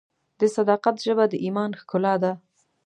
د صداقت ژبه د ایمان ښکلا ده.